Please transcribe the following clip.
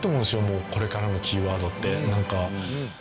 もうこれからのキーワードってなんか。